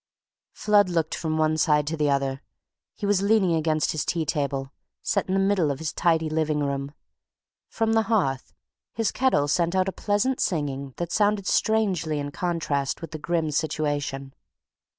Flood looked from one side to the other. He was leaning against his tea table, set in the middle of his tidy living room. From the hearth his kettle sent out a pleasant singing that sounded strangely in contrast with the grim situation.